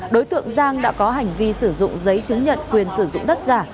đối tượng giang đã có hành vi sử dụng giấy chứng nhận quyền sử dụng đất giả